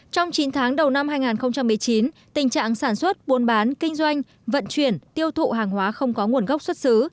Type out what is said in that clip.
trong chín tháng đầu năm hai nghìn một mươi chín tình trạng sản xuất buôn bán kinh doanh vận chuyển tiêu thụ hàng hóa không có nguồn gốc xuất xứ